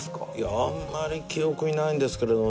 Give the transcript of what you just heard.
あんまり記憶にないんですけれど。